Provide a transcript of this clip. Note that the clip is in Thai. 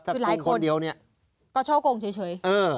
คือหลายคนก็ช่อกงเฉย